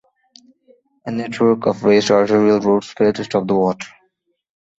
A network of raised arterial roads failed to stop the water.